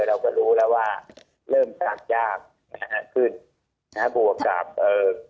เราก็รู้แล้วว่าเริ่มสั่งยากขึ้นนะครับบวกกับเอ่อ